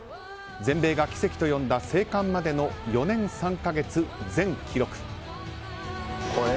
全米が奇跡と呼んだ生還までの４年３か月全記録。